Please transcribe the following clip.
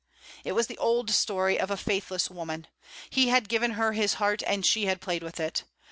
It was the old story of a faithless woman. He had given her his heart, and she had played with it.